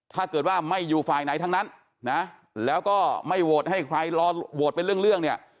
ถ้าเกิดว่าไม่อยู่ฝ่ายไหนทั้งนั้นนะแล้วก็ไม่โหวตให้ใครรอโหวตเป็นเรื่องเนี่ย